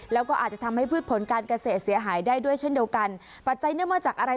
แล้วก็อาจจะทำให้พืชผลการเกษตรเสียหายได้ด้วยเช่นเดียวกันปัจจัยเนื่องมาจากอะไร